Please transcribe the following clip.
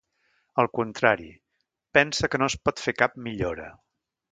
Al contrari, pensa que no es pot fer cap millora.